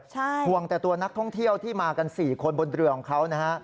ห่วงแต่ตัวนักท่องเที่ยวที่มากัน๔คนบนเรือของเขานะฮะ